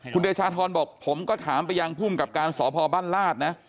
คุณเดชาธรบอกผมก็ถามไปยังภูมิกับการสพบ้านลาดนะ